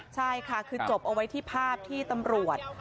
ใช่ค่ะคือจบเอาไว้ที่ภาพที่ตำรวจ